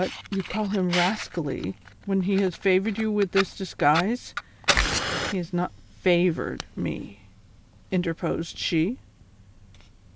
you call him 'rascally,' when he has favored you with this disguise" —" lie has not ' favored ' me," interposed she.